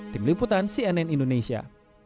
tim liputan cnn indonesia